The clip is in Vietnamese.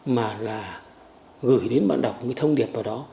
mà là gửi đến bạn đọc cái thông điệp vào đó